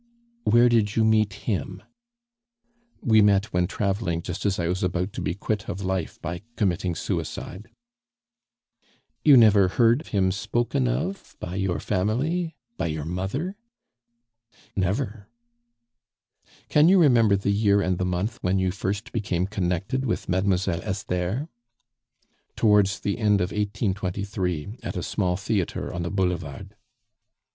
"Where did you meet him?" "We met when traveling, just as I was about to be quit of life by committing suicide." "You never heard him spoken of by your family by your mother?" "Never." "Can you remember the year and the month when you first became connected with Mademoiselle Esther?" "Towards the end of 1823, at a small theatre on the Boulevard."